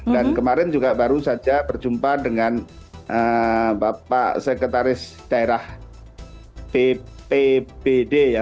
kemarin juga baru saja berjumpa dengan bapak sekretaris daerah bpbd ya